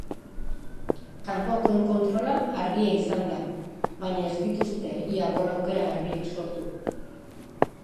Kanpokoen kontrola argia izan da baina ez dituzte ia gol aukera garbirik sortu.